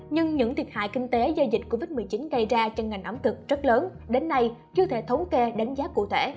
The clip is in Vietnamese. nhưng những thiệt hại kinh tế do dịch covid một mươi chín gây ra cho ngành ẩm thực rất lớn đến nay chưa thể thống kê đánh giá cụ thể